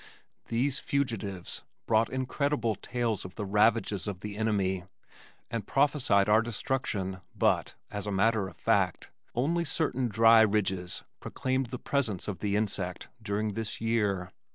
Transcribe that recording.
These fugitives brought incredible tales of the ravages of the enemy and prophesied our destruction but, as a matter of fact, only certain dry ridges proclaimed the presence of the insect during this year.